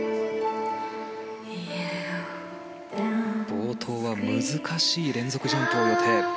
冒頭は難しい連続ジャンプを予定。